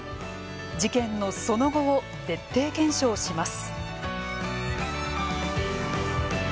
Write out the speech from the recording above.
事件のその後を徹底検証します。